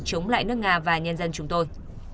chống lại nước nga và nhân dân chúng tôi